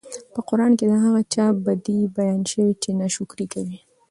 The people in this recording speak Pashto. په قران کي د هغه چا بدي بيان شوي چې ناشکري کوي